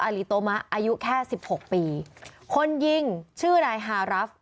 ลิโตมะอายุแค่สิบหกปีคนยิงชื่อนายฮารับ